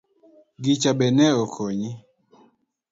Gicha be ne okonyi?